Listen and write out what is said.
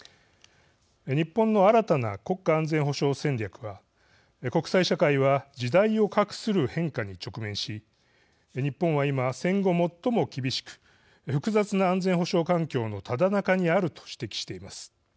日本の新たな国家安全保障戦略は国際社会は時代を画する変化に直面し日本は今、戦後最も厳しく複雑な安全保障環境のただ中にあると指摘しています。